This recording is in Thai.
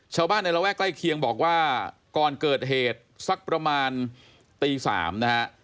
ชาวบ้านในระแวกใกล้เคียงบอกว่าก่อนเกิดเหตุสักประมาณตี๓นะฮะ